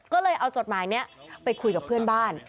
ก็เลยเอาจดหมายนี้ไปคุยกับเพื่อนบ้าน